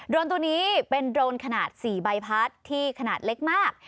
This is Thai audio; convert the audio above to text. รนตัวนี้เป็นโดรนขนาด๔ใบพัดที่ขนาดเล็กมาก